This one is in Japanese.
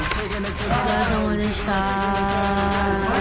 お疲れさまでした。